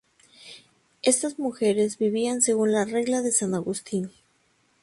Estas mujeres vivían según la Regla de San Agustín.